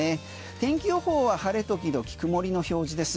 天気予報は晴れ時々曇りの表示です。